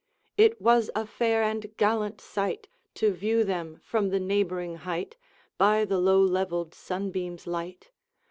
It was a fair and gallant sight To view them from the neighboring height, By the low levelled sunbeam's light!